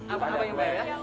apa yang bayar ya